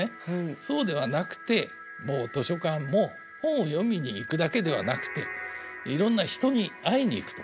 そうではなくてもう図書館も本を読みに行くだけではなくていろんな人に会いに行くとか。